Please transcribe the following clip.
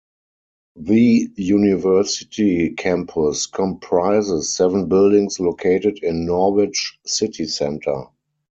The university campus comprises seven buildings located in Norwich city centre.